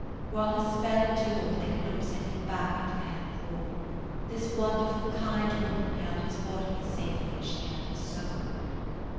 While her spell endured they could not send him back into the hell of war. This wonderful, kind woman held his body as safely as she held his soul.